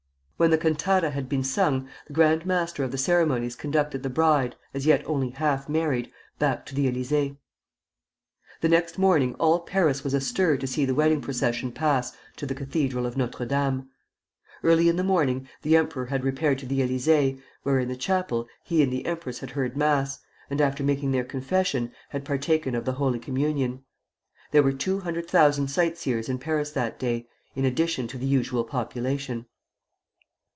] When the cantata had been sung, the Grand Master of the Ceremonies conducted the bride, as yet only half married, back to the Élysée. The next morning all Paris was astir to see the wedding procession pass to the cathedral of Notre Dame. Early in the morning the emperor had repaired to the Élysée, where, in the chapel, he and the empress had heard mass, and after making their confession, had partaken of the Holy Communion. There were two hundred thousand sightseers in Paris that day, in addition to the usual population.